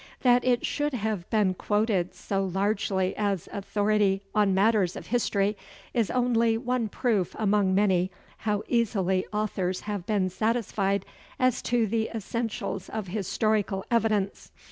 That it should have been quoted so largely as authority on matters of history, is only one proof among many how easily authors have been satisfied as to the essentials of historical evidence.